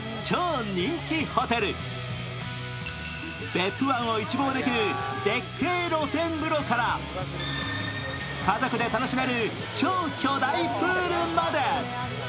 別府湾を一望できる絶景露天風呂から家族で楽しめる超巨大プールまで。